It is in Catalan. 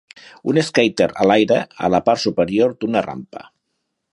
Un skater a l'aire a la part superior d'una rampa